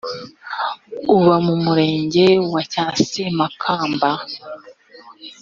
uba mu murenge wa cyasemakamba